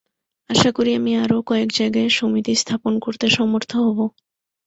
আশা করি, আমি আরও কয়েক জায়গায় সমিতি স্থাপন করতে সমর্থ হব।